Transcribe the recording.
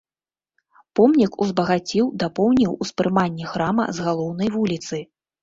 Помнік узбагаціў, дапоўніў успрыманне храма з галоўнай вуліцы.